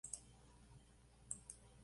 En ese año se pasó a las filas del Banfield.